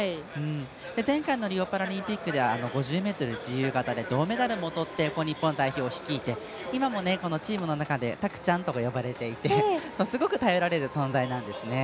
前回のリオパラリンピックでは５０ｍ自由形で銅メダルをとって日本代表を率いて今もチームの中でたくちゃんとか呼ばれていてすごく頼られる存在です。